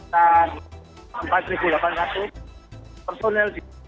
setelah empat ribu delapan ratus personel di